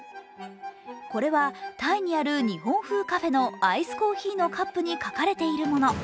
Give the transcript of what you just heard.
これはタイにある日本風カフェのアイスコーヒーのカップに書かれているもの。